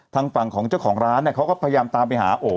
ทางฝั่งของเจ้าของร้านเนี่ยเขาก็พยายามตามไปหาโอ